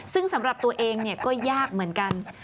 ซึ่งสำหรับตัวเองก็ยากเหมือนกัน